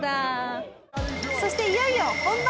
そしていよいよ本番。